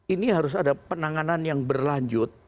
ini harus ada penanganan yang berlanjut